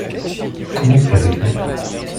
Comment payerez-vous ?